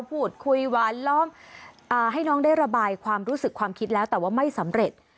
พูดคุยหวานล้อมให้น้องได้ระบายความรู้สึกความคิดแล้วแต่ว่าไม่สำเร็จ